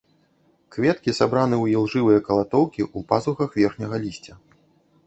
Кветкі сабраны ў ілжывыя калатоўкі ў пазухах верхняга лісця.